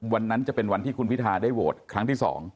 วันนั้นจะเป็นวันที่คุณพิทาได้โหวตครั้งที่๒